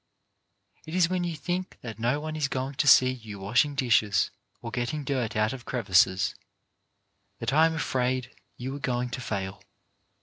It is when you think that no one is going to see you washing dishes, or getting dirt out of crevices, that I am afraid you are going to fail.